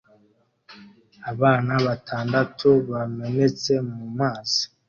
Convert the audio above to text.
Abana batandatu bamenetse mu mazi